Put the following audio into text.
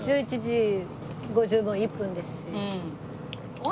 １１時５１分ですし。